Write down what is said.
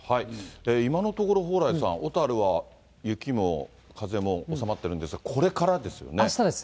今のところ、蓬莱さん、小樽は雪も風も収まってるんですが、これからですよね。